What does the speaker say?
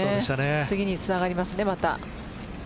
次につながりますね。